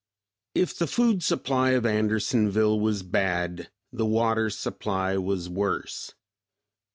If the food supply of Andersonville was bad, the water supply was worse.